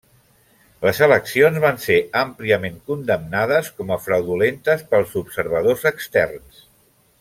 Les eleccions van ser àmpliament condemnades com a fraudulentes pels observadors externs.